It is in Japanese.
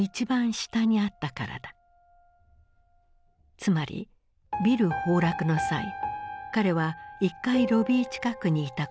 つまりビル崩落の際彼は１階ロビー近くにいたことになる。